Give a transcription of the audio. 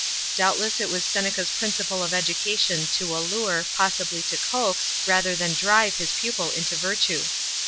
Doubtless it was Seneca's principle of education to allure, possibly to coax, rather than drive his pupil into virtue.